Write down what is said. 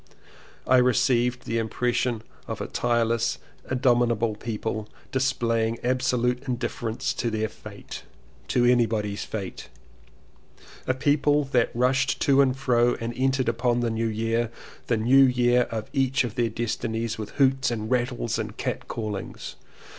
I received the impression of a tireless, in dominable people displaying absolute in difference to their fate — to anybody's fate; a people that rushed to and fro and entered upon the New Year, the New Year of each of their destinies, with hoots and rattles and catcallings.